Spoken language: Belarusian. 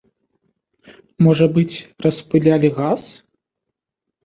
Можа быць, распылялі газ?